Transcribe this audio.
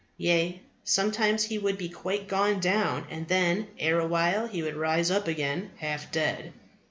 Yea, sometimes he would be quite gone down, and then ere a while he would rise up again half dead."